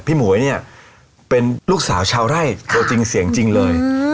หมวยเนี่ยเป็นลูกสาวชาวไร่ตัวจริงเสียงจริงเลย